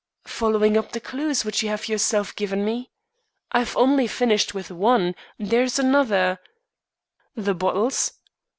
"Following up the clews which you have yourself given me? I've only finished with one; there's another " "The bottles?"